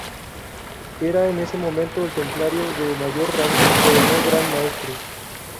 Era en ese momento el templario de mayor rango, pero no Gran Maestre.